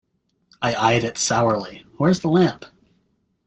I eyed it sourly. Where's the lamp?